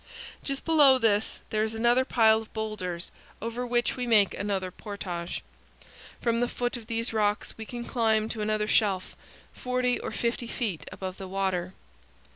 Just below this there is another pile of boulders, over which we make another portage. From the foot of these rocks we can climb to another shelf, 40 or 50 feet above the water.